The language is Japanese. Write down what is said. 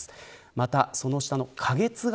また、その下の花月川